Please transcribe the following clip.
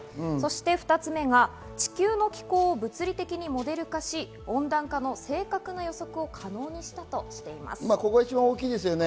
２つ目が、地球の気候を物理的にモデル化し温暖化の正確な予測をここが一番大きいですね。